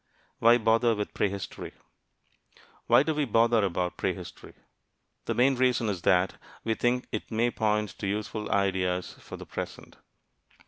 WHY BOTHER WITH PREHISTORY? Why do we bother about prehistory? The main reason is that we think it may point to useful ideas for the present.